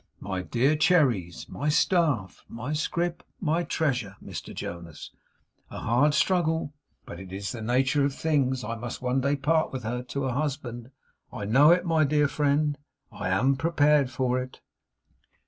'My dear Cherry's; my staff, my scrip, my treasure, Mr Jonas. A hard struggle, but it is in the nature of things! I must one day part with her to a husband. I know it, my dear friend. I am prepared for it.